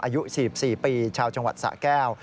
อายุ๔๔ปีชาวจังหวัดสะแก้ว